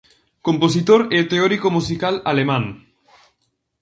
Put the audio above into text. Compositor e teórico musical alemán.